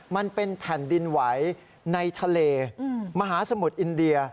มันเป็นแผ่นดินไหวในทะเลมหาสมุทรอินเดีย